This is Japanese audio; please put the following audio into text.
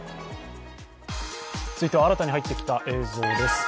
続いては新たに入ってきた映像です。